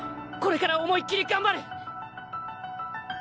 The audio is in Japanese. これから思いっきり頑張る！